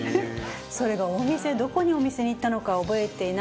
それがお店どこにお店に行ったのか覚えていなくて。